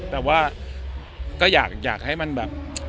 แต่ว่าก็อยากให้มันแบบ